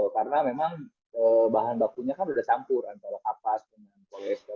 karena memang bahan bakunya kan sudah campur antara kapas dengan polyester